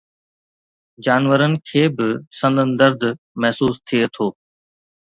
جانورن کي به سندن درد محسوس ٿئي ٿو